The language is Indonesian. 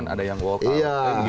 ada yang wokal